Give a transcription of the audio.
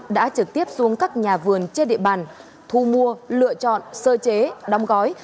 đã trực tiếp xuống các nhà vườn trên địa bàn thu mua lựa chọn sơ chế đóng gói